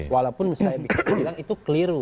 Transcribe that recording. walaupun saya bisa dibilang itu keliru